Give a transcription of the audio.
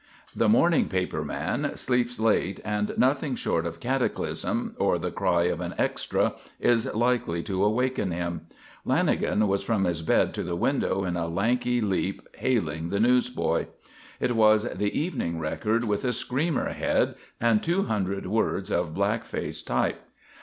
The morning paper man sleeps late and nothing short of cataclysm or the cry of an extra is likely to awaken him. Lanagan was from his bed to the window in a lanky leap hailing the newsboy. It was the Evening Record with a "screamer" head and two hundred words of black face type.